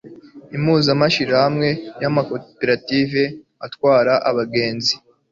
impuzamashyirahamwe y' amakoperative atwara abagenzi